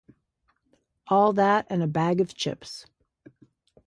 All that and a bag of chips.